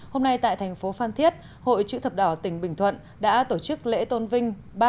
hôm nay tại thành phố phan thiết hội chữ thập đỏ tỉnh bình thuận đã tổ chức lễ tôn vinh